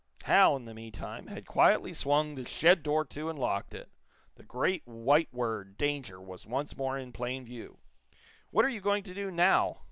Hal, in the meantime, had quietly swung the shed door to and locked it. The great white word, "Danger," was once more in plain view. "What are you going to do now!"